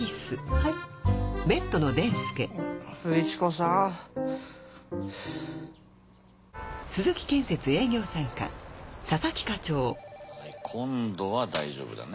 はい今度は大丈夫だね。